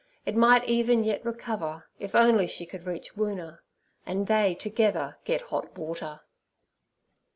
It might even yet recover if only she could reach Woona, and they together get hot water.